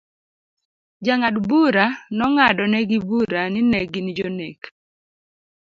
Jang'ad bura nong'adnegi bura ni ne gin jonek.